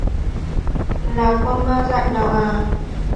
là con ma dại nào à